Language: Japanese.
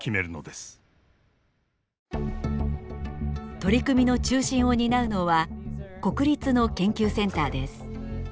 取り組みの中心を担うのは国立の研究センターです。